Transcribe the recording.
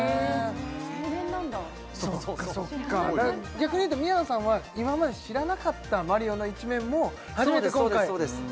逆にいうと宮野さんは今まで知らなかったマリオの一面も初めて今回そうです